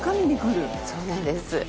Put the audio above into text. そうなんです。